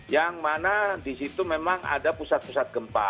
yang mana di situ memang ada pusat pusat gempa